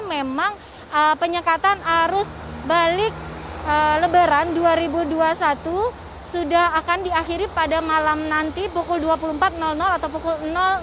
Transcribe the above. memang penyekatan arus balik lebaran dua ribu dua puluh satu sudah akan diakhiri pada malam nanti pukul dua puluh empat atau pukul